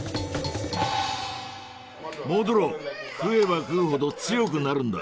モドゥロー食えば食うほど強くなるんだ。